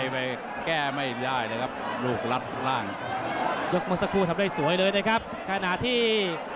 เปียนเซิร์มเลยอ่ะนี่